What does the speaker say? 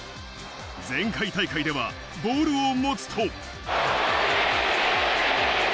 前回大会ではボールを持つと。